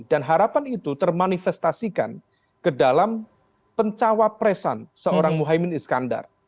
dan harapan itu termanifestasikan ke dalam pencawa presan seorang muhyiddin iskandar